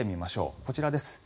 こちらです。